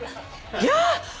いや。